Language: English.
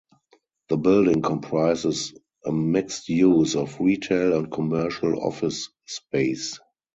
The building comprises a mixed use of retail and commercial office space.